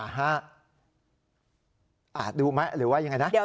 ค่ะอ่าฮะดูไหมหรือว่ายังไงนะ